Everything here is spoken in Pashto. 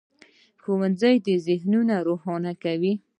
ښوونځی ذهنونه روښانه کوي.